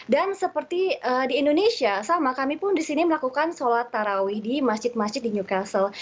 dan seperti di indonesia sama kami pun di sini melakukan sholat taraweeh di masjid masjid di newcastle